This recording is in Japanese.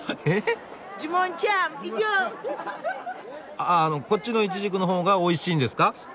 ああのこっちのイチジクの方がおいしいんですか？